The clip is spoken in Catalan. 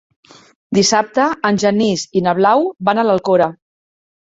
Dissabte en Genís i na Blau van a l'Alcora.